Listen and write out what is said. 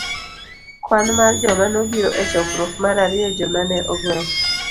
Kwan mar joma nobiro e chokruok .mar ariyo Joma ne Ogwel